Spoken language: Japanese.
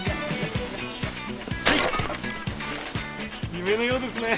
夢のようですね。